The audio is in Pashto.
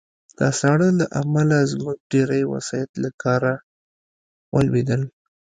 د ساړه له امله زموږ ډېری وسایط له کار ولوېدل